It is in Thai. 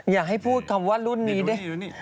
อย่าให้พูดคำว่ารุ่นนี้ดิ